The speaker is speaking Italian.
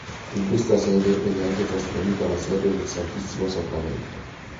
In questa sede venne anche trasferita la sede del Santissimo Sacramento.